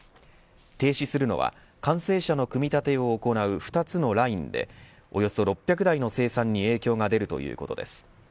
停止するの完成車の組み立てを行う２つのラインでおよそ６００台の生産に影響が出るということです。